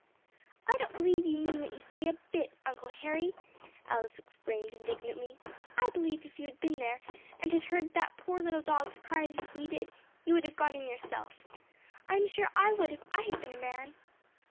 "I don't believe you mean what you say a bit, Uncle Harry," Alice exclaimed indignantly. "I believe if you had been there, and had heard that poor little dog's cries as we did, you would have gone in yourself. I am sure I would if I had been a man."